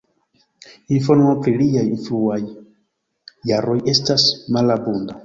Informo pri liaj fruaj jaroj estas malabunda.